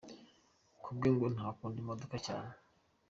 Ku bwe ngo nta kunda imodoka cyane.